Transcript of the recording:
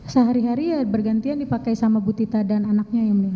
sehari hari ya bergantian dipakai sama bu tita dan anaknya yang mulia